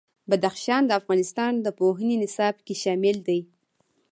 بدخشان د افغانستان د پوهنې نصاب کې شامل دي.